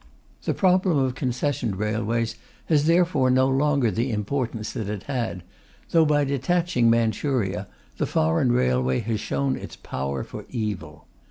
The problem of concessioned railways has therefore no longer the importance that it had, though, by detaching Manchuria, the foreign railway has shown its power for evil).